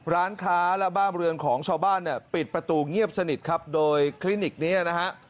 ร้านค้าและบ้านเรือนของชาวบ้านเนี่ยปิดประตูเงียบสนิทครับโดยคลินิกเนี้ยนะฮะ